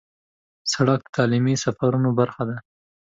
سړک د تعلیمي سفرونو برخه ده.